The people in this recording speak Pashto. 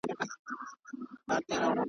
فقط لکه د فلم تماشې ته چي وتلي وي .